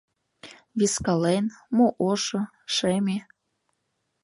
Вискален, мо ошо, шеме